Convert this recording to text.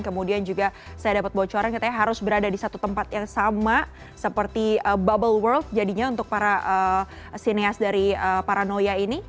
kemudian juga saya dapat bocoran katanya harus berada di satu tempat yang sama seperti bubble world jadinya untuk para sineas dari paranoia ini